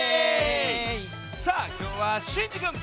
さあきょうはシンジくん！